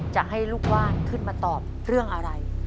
จะให้ลูกว่านขึ้นมาตอบเรื่องอะไร